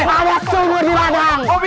ada sumur di ladang